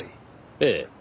ええ。